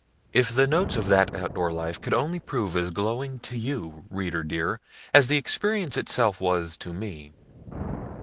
If the notes of that outdoor life could only prove as glowing to you, reader dear, as the experience itself was to me.